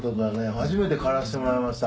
初めて狩らせてもらいました。